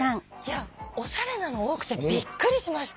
おしゃれなの多くてびっくりしました。